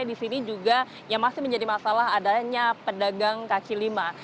di sini juga yang masih menjadi masalah adanya pedagang kaki lima